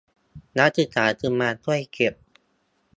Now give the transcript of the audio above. นักศึกษาจึงมาช่วยเก็บ